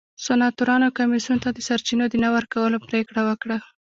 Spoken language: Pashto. سناتورانو کمېسیون ته د سرچینو د نه ورکولو پرېکړه وکړه.